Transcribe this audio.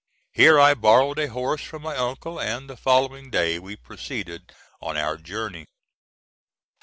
Here I borrowed a horse from my uncle, and the following day we proceeded on our journey.